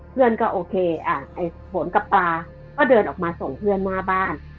เพื่อนก็โอเคผลกับปลาก็เดินออกมาส่งเพื่อนหน้าบ้าน